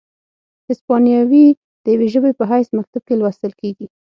هسپانیوي د یوې ژبې په حیث مکتب کې لوستل کیږي،